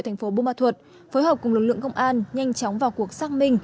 thành phố bùa ma thuật phối hợp cùng lực lượng công an nhanh chóng vào cuộc xác minh